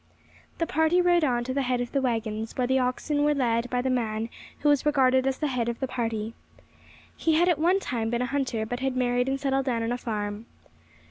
The party rode on to the head of the waggons, where the oxen were led by the man who was regarded as the head of the party. He had at one time been a hunter, but had married and settled down on a farm.